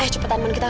ayo cepetan menurutku